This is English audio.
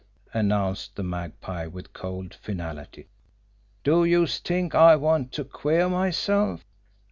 announced the Magpie, with cold finality. "Do youse t'ink I want to queer myself!